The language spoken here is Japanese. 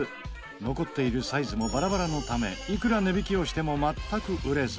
残っているサイズもバラバラのためいくら値引きをしても全く売れず。